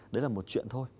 đấy là một chuyện thôi